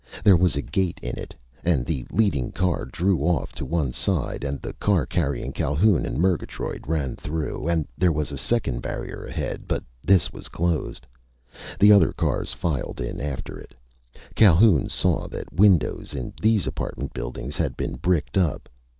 There was a gate in it, and the leading car drew off to one side and the car carrying Calhoun and Murgatroyd ran through, and there was a second barrier ahead, but this was closed. The other cars filed in after it, Calhoun saw that windows in these apartment buildings had been bricked up.